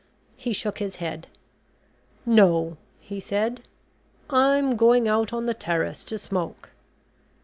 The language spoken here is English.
He shook his head. "No," he said, "I'm going out on the terrace to smoke."